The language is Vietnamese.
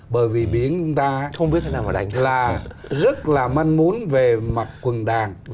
bởi vì biển chúng ta là rất là manh muốn về mặc quần đàn